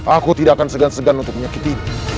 aku tidak akan segan segan untuk menyakiti